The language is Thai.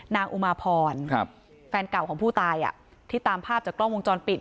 อุมาพรแฟนเก่าของผู้ตายที่ตามภาพจากกล้องวงจรปิด